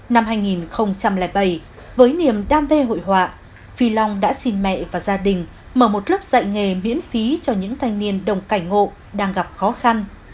năm hai nghìn bảy với niềm đam mê hội họa phi long đã xin mẹ và gia đình mở một lớp dạy nghề miễn phí cho những thanh niên đồng cảnh ngộ đang gặp khó khăn